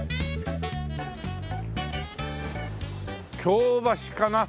京橋かな。